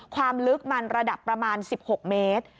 ความลึกมันระดับประมาณ๑๖เมตร